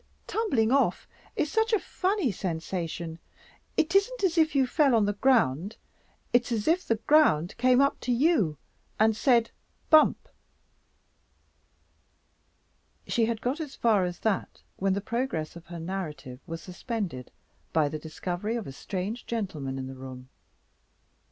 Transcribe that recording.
"Tumbling off is such a funny sensation. It isn't as if you fell on the ground; it's as if the ground came up to you and said Bump!" She had got as far as that, when the progress of her narrative was suspended by the discovery of a strange gentleman in the room.